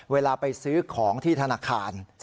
เวลาไปซื้อของที่ธนาคาร